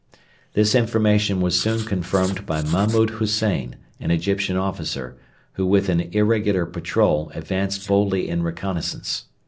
This information was soon confirmed by Mahmud Hussein, an Egyptian officer, who with an irregular patrol advanced boldly in reconnaissance.